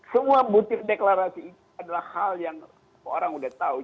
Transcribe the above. semua butir deklarasi itu adalah hal yang orang udah tahu